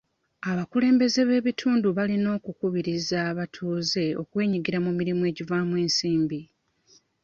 Abakulembeze b'ebintu balina okukubiriza abatuuze okwenyigira mu mirimu egivaamu ensimbi.